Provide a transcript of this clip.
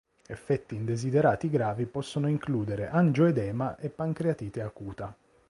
Effetti indesiderati gravi possono includere angioedema e pancreatite acuta.